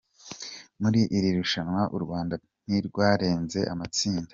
Muri iri rushanwa u Rwanda ntirwarenze amatsinda.